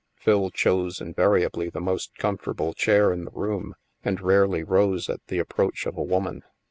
Phil chose invariably the most comfortable chair in the room and rarely rose at the approach of a woman.